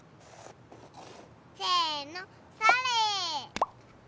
せのそれ！